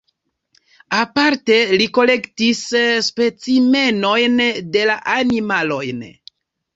Aparte li kolektis specimenojn de animaloj.